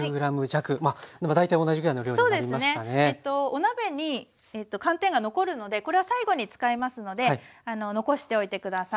お鍋に寒天が残るのでこれは最後に使いますので残しておいて下さい。